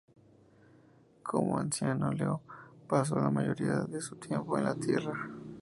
Como Anciano, Leo paso la mayoría de su tiempo en la Tierra.